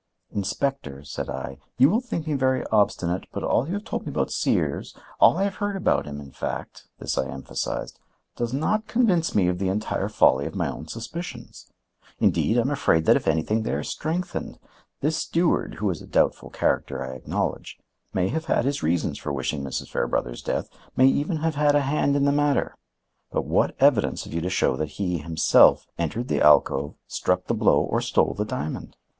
"Inspector," said I, "you will think me very obstinate, but all you have told me about Sears, all I have heard about him, in fact,"—this I emphasized,—"does not convince me of the entire folly of my own suspicions. Indeed, I am afraid that, if anything, they are strengthened. This steward, who is a doubtful character, I acknowledge, may have had his reasons for wishing Mrs. Fairbrother's death, may even have had a hand in the matter; but what evidence have you to show that he, himself, entered the alcove, struck the blow or stole the diamond?